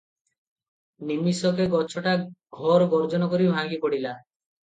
ନିମିଷକେ ଗଛଟା ଘୋର ଗର୍ଜନକରି ଭାଙ୍ଗି ପଡ଼ିଲା ।